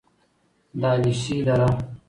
د علیشې دره: